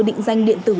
định danh điện tử